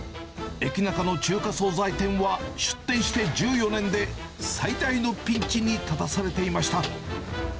エキナカの中華総菜店は、出店して１４年で最大のピンチに立たされていました。